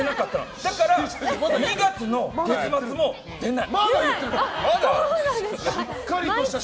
だから、２月の月末も出ない！